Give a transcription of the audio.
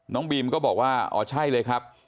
น้องบีมก็บอกว่าอ๋อใช่เลยครับ